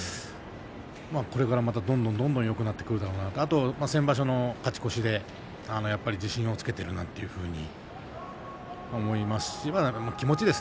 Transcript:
これからどんどんよくなってくるんではないかと先場所の勝ち越しで自信をつけているなというふうに思います。